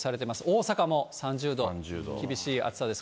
大阪も３０度、厳しい暑さです。